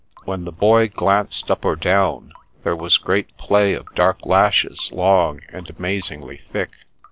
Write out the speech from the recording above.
When the boy glanced up or down, there was great play of dark lashes, long, and amazingly thick.